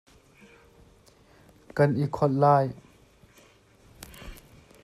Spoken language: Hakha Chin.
Kan i kholh lai.